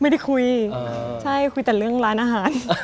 ไม่ได้คุยใช่คุยแต่เรื่องร้านอาหาร